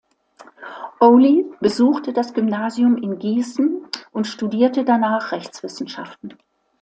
Ohly besuchte das Gymnasium in Gießen und studierte danach Rechtswissenschaften.